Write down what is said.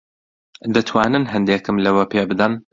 دەتوانن ھەندێکم لەوە پێ بدەن؟